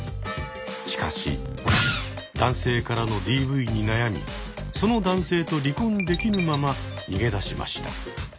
しかし男性からのＤＶに悩みその男性と離婚できぬまま逃げ出しました。